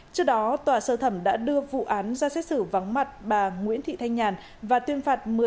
trước đó tòa sơ thẩm đã đưa vụ án ra xét xử vắng mặt bà nguyễn thị thanh nhàn và tuyên phạt